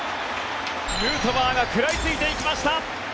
ヌートバーが食らいついていきました。